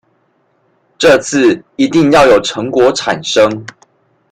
這次一定要有成果產生